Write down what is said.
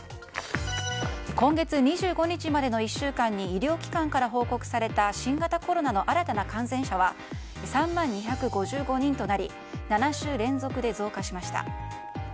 今月２５日までの１週間に医療機関から報告された新型コロナの新たな感染者は３万２５５人となり７週連続で増加しました。